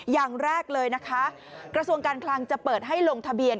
อย่างแรกเลยนะคะกระทรวงการคลังจะเปิดให้ลงทะเบียน